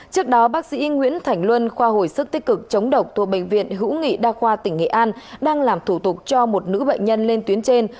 trước đó bác sĩ nguyễn thảnh luân khoa hồi sức tích cực chống độc thua bệnh viện hữu nghị đa khoa tỉnh nghệ an đang làm thủ tục cho một nữ bệnh nhân lên tuyến trên